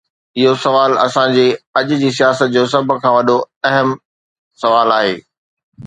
اهو سوال اسان جي اڄ جي سياست جو سڀ کان وڏو ۽ اهم سوال آهي.